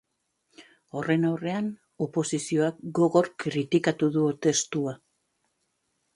Horren aurrean, oposizioak gogor kritikatu du testua.